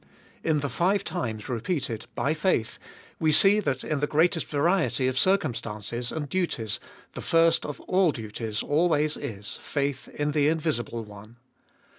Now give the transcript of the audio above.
In the five times repeated by faith we see that in the greatest variety of circumstances and duties the first of all duties always is — faith in the invisible One.